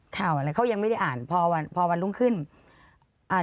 ข่าวอะไรเขายังไม่ได้อ่านพอวันรุ่งขึ้น